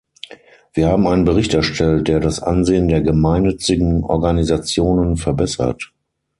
Wir haben einen Bericht erstellt, der das Ansehen der gemeinnützigen Organisationen verbessert.